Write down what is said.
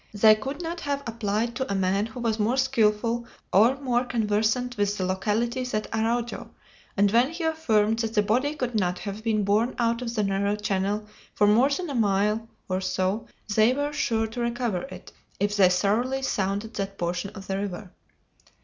They could not have applied to a man who was more skillful or more conversant with the locality than Araujo, and when he affirmed that the body could not have been borne out of the narrow channel for more than a mile or so, they were sure to recover it if they thoroughly sounded that portion of the river.